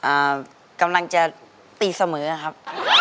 อ่ากำลังจะตีเสมอครับ